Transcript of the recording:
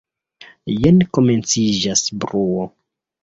Jen komenciĝas bruo.